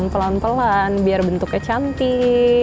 pelan pelan biar bentuknya cantik